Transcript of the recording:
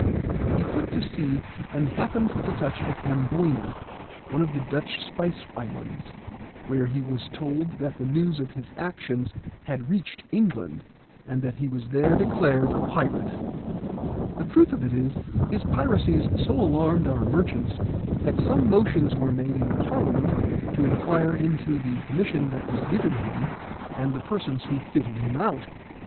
He put to sea and happened to touch at Amboyna, one of the Dutch spice islands, where he was told that the news of his actions had reached England, and that he was there declared a pirate. The truth of it is, his piracies so alarmed our merchants that some motions were made in Parliament, to inquire into the commission that was given him, and the persons who fitted him out.